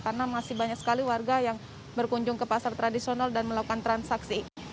karena masih banyak sekali warga yang berkunjung ke pasar tradisional dan melakukan transaksi